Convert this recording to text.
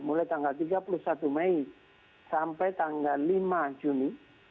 mulai tanggal tiga puluh satu mei sampai tanggal lima juni